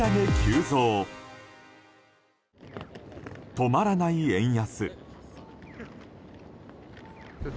止まらない円安。